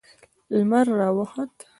لمر را وخوت.